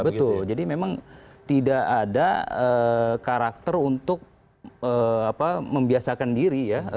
betul jadi memang tidak ada karakter untuk membiasakan diri ya